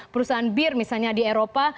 perusahaan bir misalnya di eropa